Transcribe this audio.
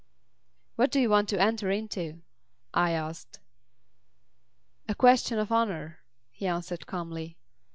"What do you want to enter into?" I asked. "A question of honour," he answered calmly.